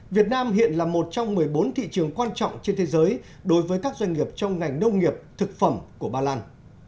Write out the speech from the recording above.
việt nam hiện là một trong một mươi bốn thị trường quan trọng trên thế giới đối với các doanh nghiệp trong ngành nông nghiệp thực phẩm của ba lan